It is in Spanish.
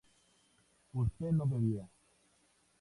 usted no bebía